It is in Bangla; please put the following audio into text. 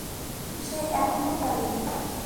এবং সে এখনও করে।